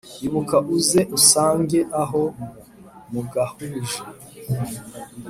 Ibuka uze usange abo mugahuje